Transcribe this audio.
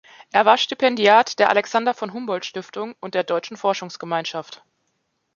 Er war Stipendiat der Alexander-von-Humboldt-Stiftung und der Deutschen Forschungsgemeinschaft.